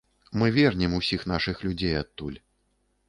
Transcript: Мы вернем усіх нашых людзей адтуль.